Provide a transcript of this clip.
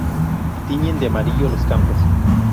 Tiñen de amarillo los campos.